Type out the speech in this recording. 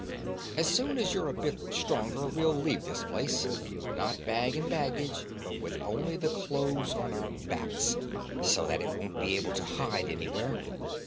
As soon as you're a bit stronger we'll leave this place; not bag and baggage, but with only the clothes on our backs, so that it won't be able to hide anywhere.